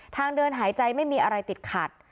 ทางเดินหายใจไม่มีอะไรติดขัด